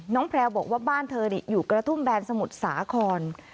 แพลวบอกว่าบ้านเธออยู่กระทุ่มแบนสมุทรสาคร